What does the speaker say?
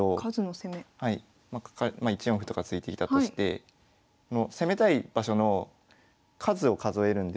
まあ１四歩とか突いてきたとして攻めたい場所の数を数えるんですけど。